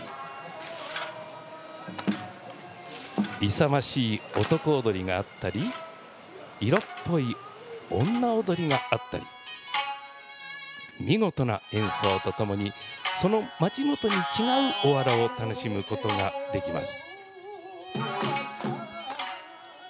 勇ましい男踊りがあったり色っぽい女踊りがあったり見事な演奏とともにその町ごとに違う、おわらを楽しむことができます。